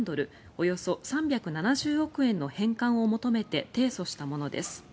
およそ３７０億円の返還を求めて提訴したものです。